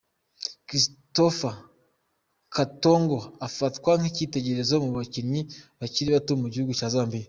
Christopher Katongo afatwa nk’icyitegererezo ku bakinnyi bakiri bato mu gihugu cya Zambiya.